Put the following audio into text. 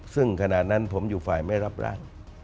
ซึ่งขณะนั้นผมอยู่ฝ่ายไม่รับร่าง